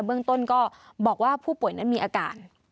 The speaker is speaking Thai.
เบื้องต้นก็บอกว่าผู้ป่วยนั้นมีอาการ